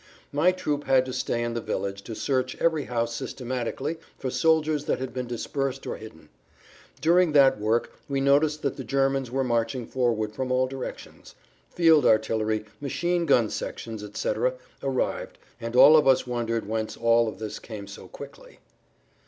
My troop had to stay in the village to search every house systematically for soldiers that had been dispersed or hidden. During that work we noticed that the Germans were marching forward from all directions. Field artillery, machine gun sections, etc., arrived, and all of us wondered whence all of this came so quickly.